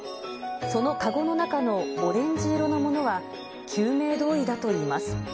その籠の中のオレンジ色のものは、救命胴衣だといいます。